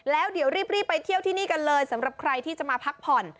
แล้วเดี๋ยวรีบไปเที่ยวที่นี่กันเลยสำหรับใครที่จะมาพักผ่อน